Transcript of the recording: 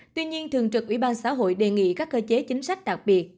tuy nhiên thường trực ủy ban xã hội đề nghị các cơ chế chính sách đặc biệt